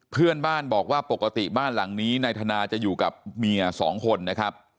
เพื่อนบ้านบอกว่าปกติบ้านหลังนี้นายธนาจะอยู่กับเมียสองคนนะครับ